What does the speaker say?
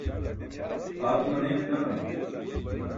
pʰaat maneyin naa